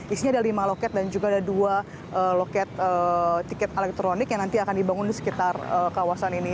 isinya ada lima loket dan juga ada dua loket tiket elektronik yang nanti akan dibangun di sekitar kawasan ini